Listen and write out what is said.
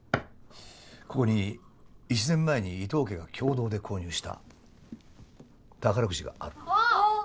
ここに１年前に伊藤家が共同で購入した宝くじがある。